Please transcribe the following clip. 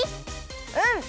うん！